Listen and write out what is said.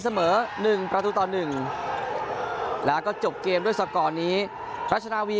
เสมอหนึ่งประตูต่อหนึ่งแล้วก็จบเกมด้วยสกอร์นี้รัชนาวี